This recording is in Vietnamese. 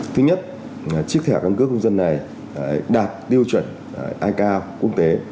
thứ nhất chiếc thẻ căn cước công dân này đạt tiêu chuẩn ik quốc tế